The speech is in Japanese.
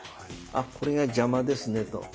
「あこれが邪魔ですね」と。